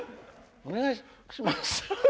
お願いします。